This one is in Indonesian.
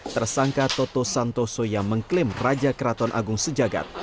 tersangka toto santoso yang mengklaim raja keraton agung sejagat